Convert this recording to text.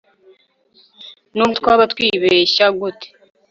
nubwo twaba twibeshya gute